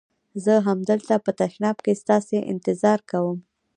زه همدلته په تشناب کې ستاسي انتظار کوم.